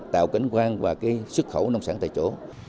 tạo cảnh quan và xuất khẩu nông sản tại chỗ